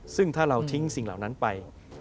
ซึ่งถ้าเราทิ้งสิ่งเหล่านั้นไป